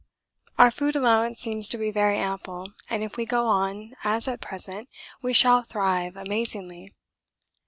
Our food allowance seems to be very ample, and if we go on as at present we shall thrive amazingly.